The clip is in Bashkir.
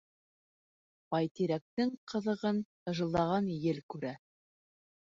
Байтирәктең ҡыҙығын ыжылдаған ел күрә